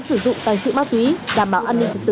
sử dụng tài sự ma túy đảm bảo an ninh trật tự